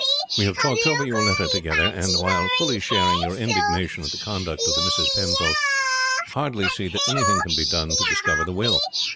"We have talked over your letter together, and while fully sharing your indignation at the conduct of the Misses Penfold, hardly see that anything can be done to discover the will.